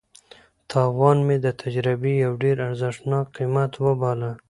تاوان مې د تجربې یو ډېر ارزښتناک قیمت وباله.